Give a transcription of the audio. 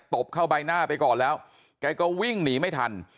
ตบเข้าใบหน้าไปก่อนแล้วแกก็วิ่งหนีไม่ทัน